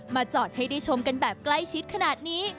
จอดให้ได้ชมกันแบบใกล้ชิดขนาดนี้